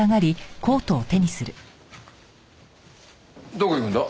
どこ行くんだ？